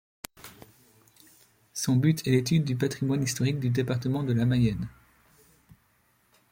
Son but est l'étude du patrimoine historique du département de la Mayenne.